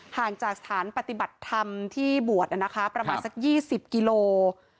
ห่างจากสถานปฏิบัติธรรมที่บวชประมาณสัก๒๐กิโล